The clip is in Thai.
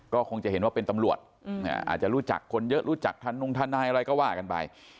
ก็คงจะเห็นว่าเป็นตำรวจอาจจะรู้จักคนเยอะรู้จักทานงทนายอะไรก็ว่ากันไป